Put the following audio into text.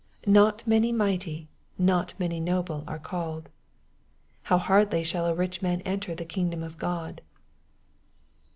" Not many mighty, not many noble are called." " How hardly shall a rich man enter the kingdom of God."